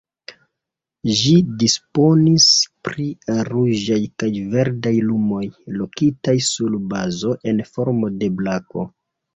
Ĝi disponis pri ruĝaj kaj verdaj lumoj, lokitaj sur bazo en formo de brako.